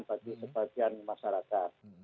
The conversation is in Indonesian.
bagi sebagian masyarakat